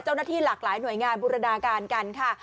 เจ้าหน้าที่หลากหลายหน่วยงานบูรณาการกันค่ะ